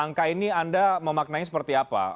angka ini anda memaknainya seperti apa